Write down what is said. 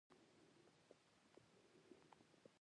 پولو باندي حمله وکړي.